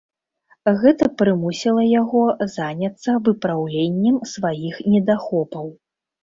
Гэта прымусіла яго заняцца выпраўленнем сваіх недахопаў.